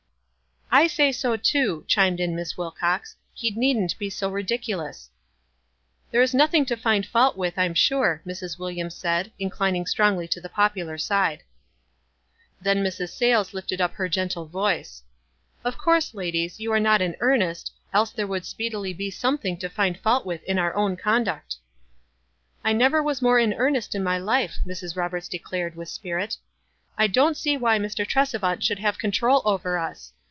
"I say so, too," chimed in Miss Wilcox. "He needn't be so ridiculous/' "There is nothing to find fault with, I'm sure," Mrs. Williams said, inclining strongly tv the popular side. WISE AND OTHERWISE. 51 Then Mrs. Sayles lifted up her gentle voice : "Of coarse, ladies, you are not in earnest, else there would speedily be something to find fault with in our own conduct." "I never was more in earnest in my life," Mrs. Roberts declared, with spirit. "I don't see why Mr. Tresevant should have control over us.